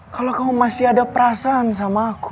kalau kamu masih ada perasaan sama aku